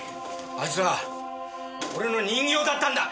あいつは俺の人形だったんだ！